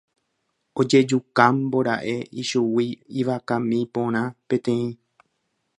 Ojejukámbora'e ichugui ivakami porã peteĩ.